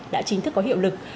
đã chính thức có hiệu lực